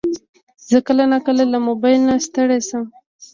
زه کله ناکله له موبایل نه ستړی شم.